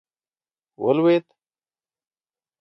ولوېد.